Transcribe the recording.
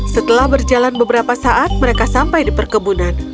setelah berjalan beberapa saat mereka sampai di perkebunan